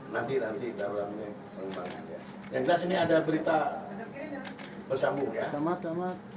yang kelas ini ada berita bersambung ya